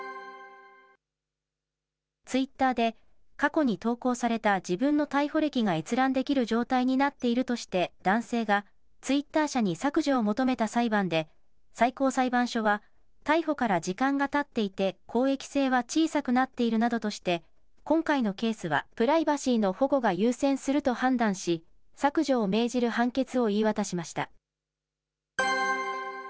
ツイッターで、過去に投稿された自分の逮捕歴が閲覧できる状態になっているとして、男性がツイッター社に削除を求めた裁判で、最高裁判所は、逮捕から時間がたっていて公益性は小さくなっているなどとして、今回のケースはプライバシーの保護が優先すると判断し、削除を命じる判決を言い渡しました。